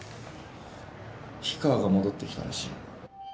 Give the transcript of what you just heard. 氷川が戻ってきたらしい。